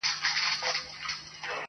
• تاته نه ښايي دا کار د ساده ګانو -